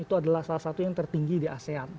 itu adalah salah satu yang tertinggi di asean